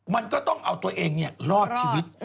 มันก็ต้องเอาตัวเองรอดชีวิต